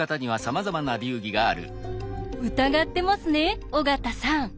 疑ってますね尾形さん。